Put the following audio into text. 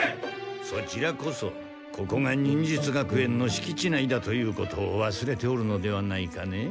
そちらこそここが忍術学園のしき地内だということをわすれておるのではないかね？